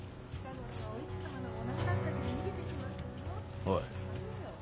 おい。